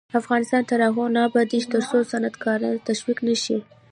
افغانستان تر هغو نه ابادیږي، ترڅو صنعتکاران تشویق نشي.